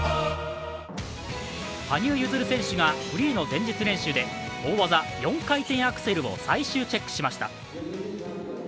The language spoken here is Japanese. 羽生結弦選手がフリーの前日練習で大技４回転アクセルを最終チェックしました。